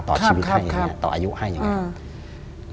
ต่อชีวิตให้ต่ออายุให้อย่างนี้